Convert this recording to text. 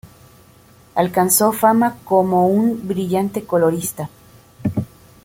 Alcanzó fama como un brillante colorista.